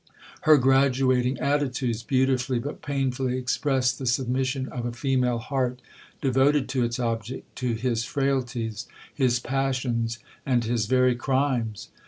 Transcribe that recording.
Her graduating attitudes beautifully, but painfully, expressed the submission of a female heart devoted to its object, to his frailties, his passions, and his very crimes.